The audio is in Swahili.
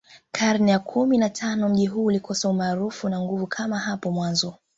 Karne ya kumi na tano mji huu ulikosa umaarufu na nguvu kama hapo mwanzo